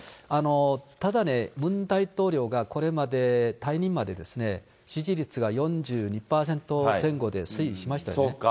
ただね、ムン大統領がこれまで退任までですね、支持率が４２％前後で推移しましたよね。